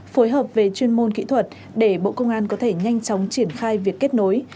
phối hợp về chuyên môn kỹ thuật để bộ công an có thể nhanh chóng triển khai việc kết nối